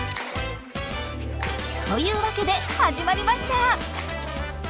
というわけで始まりました！